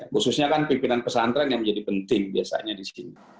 khususnya kan pimpinan pesantren yang menjadi penting biasanya di sini